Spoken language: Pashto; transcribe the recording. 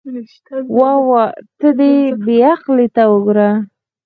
واه واه، ته دې بې عقلۍ ته وګوره.